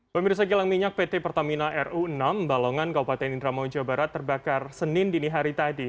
pemirsa kilang minyak pt pertamina ru enam balongan kabupaten indramayu jawa barat terbakar senin dini hari tadi